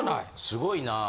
すごいなぁ。